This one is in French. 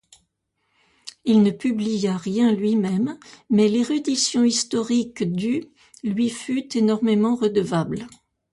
Il ne publia rien lui-même, mais l'érudition historique du lui fut énormément redevable.